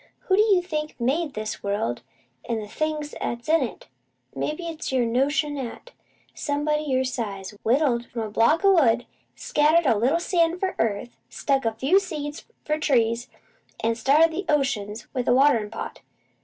Who do you think made this world an' the things 'at's in it? Maybe it's your notion 'at somebody about your size whittled it from a block o' wood, scattered a little sand for earth, stuck a few seeds for trees, an' started the oceans with a waterin' pot!